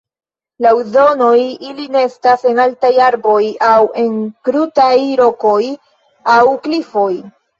Laŭ zonoj, ili nestas en altaj arboj aŭ en krutaj rokoj aŭ klifoj.